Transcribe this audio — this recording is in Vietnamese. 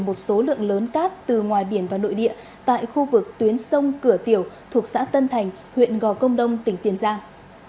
một số lượng lớn cát từ ngoài biển và nội địa tại khu vực tuyến sông cửa tiểu thuộc xã tân thành huyện gò công đông tỉnh tiền giang